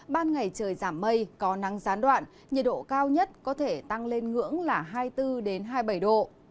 ban ngày trời giảm mây có nắng gián đoạn nhiệt độ cao nhất có thể tăng lên ngưỡng là hai mươi bốn hai mươi bảy độ